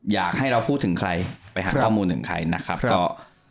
อยากให้เราพูดถึงใครไปหาข้อมูลถึงใครนะครับก็